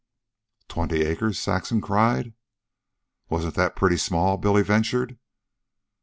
"Twenty acres!" Saxon cried. "Wasn't that pretty small?" Billy ventured.